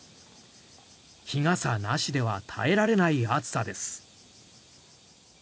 日傘なしでは耐えられない暑さです。